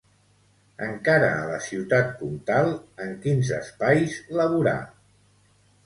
Encara a la Ciutat Comtal, en quins espais laborà?